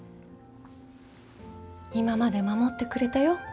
今まで守ってくれたよ。